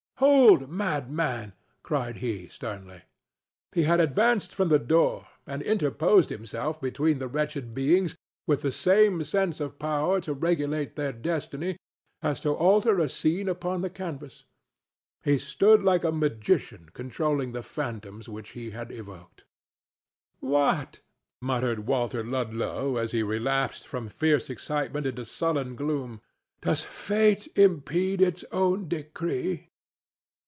"Hold, madman!" cried he, sternly. He had advanced from the door and interposed himself between the wretched beings with the same sense of power to regulate their destiny as to alter a scene upon the canvas. He stood like a magician controlling the phantoms which he had evoked. "What!" muttered Walter Ludlow as he relapsed from fierce excitement into sullen gloom. "Does Fate impede its own decree?"